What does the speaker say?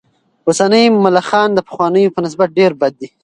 اوسني ملخان د پخوانیو په نسبت ډېر بد دي.